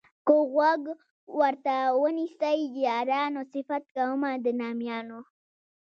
که غوږ ورته ونیسئ یارانو صفت کومه د نامیانو.